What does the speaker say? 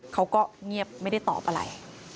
เขาก็เงียบไม่ได้ตอบอะไร